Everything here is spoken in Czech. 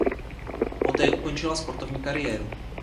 Poté ukončila sportovní kariéru.